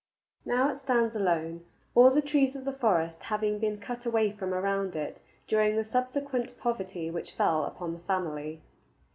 Now it stands alone, all the trees of the forest having been cut away from around it during the subsequent poverty which fell upon the family.